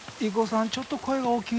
ちょっと声が大きいなあ。